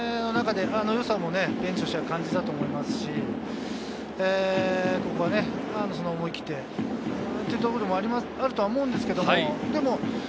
良さもベンチとしても感じたと思いますし、ここは思い切ってというところでもあるとは思うんですけども。